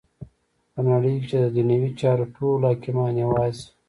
په نړی کی چی ددنیوی چارو ټول حاکمان یواځی